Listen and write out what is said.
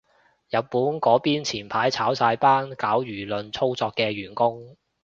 日本嗰邊前排炒晒班搞輿論操作嘅員工